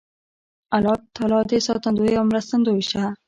الله تعالی دې ساتندوی او مرستندوی شه